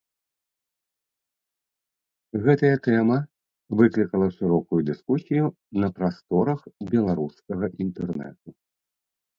Гэтая тэма выклікала шырокую дыскусію на прасторах беларускага інтэрнэту.